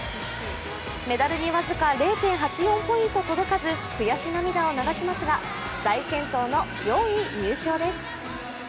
メダルに僅か０．８４ポイント届かず悔し涙を流しますが大健闘の４位入賞です。